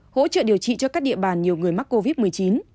hỗ trợ điều trị cho các địa bàn nhiều người mắc covid một mươi chín